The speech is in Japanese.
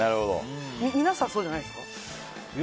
皆さんそうじゃないんですか？